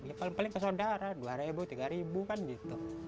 ya paling paling ke saudara dua ribu tiga ribu kan gitu